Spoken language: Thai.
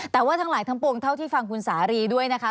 แต่ว่าทั้งหลายทั้งปวงเท่าที่ฟังคุณสารีด้วยนะคะ